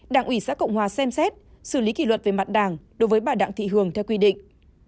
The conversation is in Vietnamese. đảng ủy xã cộng hòa xem xét xử lý kỷ luật về mặt đảng đối với bà đặng thị hường theo quy định